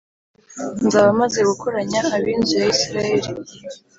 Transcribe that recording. nzaba maze gukoranya ab’inzu ya Isirayeli